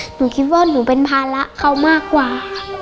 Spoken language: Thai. หนูคิดว่าหนูเป็นภาระเขามากกว่า